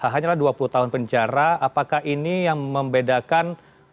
hanyalah dua puluh tahun penjara apakah ini yang membedakan